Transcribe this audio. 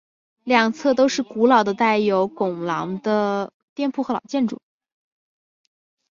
两侧都是古老的带有拱廊的店铺和老建筑。